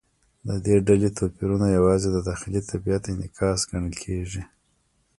د دې ډلې توپیرونه یوازې د داخلي طبیعت انعکاس ګڼل کېږي.